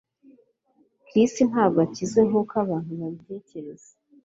Chris ntabwo akize nkuko abantu babitekereza